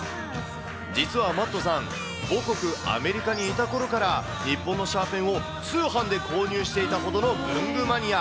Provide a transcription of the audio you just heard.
実はマットさん、母国アメリカにいたころから、日本のシャーペンを通販で購入していたほどの文具マニア。